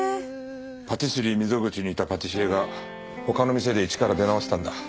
パティスリー溝口にいたパティシエが他の店で一から出直したんだ。